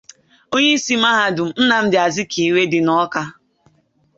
Onyeisi mahadum Nnamdi Azikiwe dị n'Awka